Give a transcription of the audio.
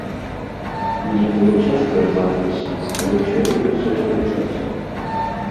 Мне было цяжка адважыцца, але ўсё робіцца ў свой час.